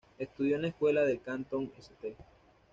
Estudió en la Escuela del cantón St.